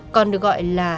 còn được gọi là